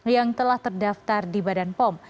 yang telah terdaftar di badan pom